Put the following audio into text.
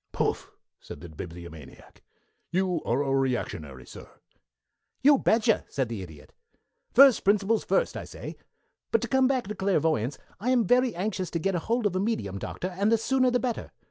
"Pouf!" said the Bibliomaniac. "You are a reactionary, Sir." "Ubetcha," said the Idiot. "First principles first, say I. But to come back to clairvoyants. I am very anxious to get hold of a medium, Doctor, and the sooner the better.